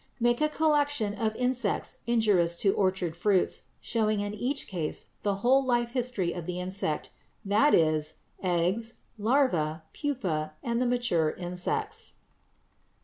Make a collection of insects injurious to orchard fruits, showing in each case the whole life history of the insect, that is, eggs, larva, pupa, and the mature insects.